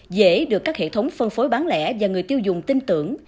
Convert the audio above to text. dễ được các hệ thống phân phối bán lẻ và người tiêu dùng tin tưởng